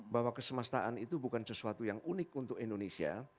bahwa kesemestaan itu bukan sesuatu yang unik untuk indonesia